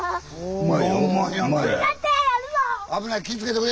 お前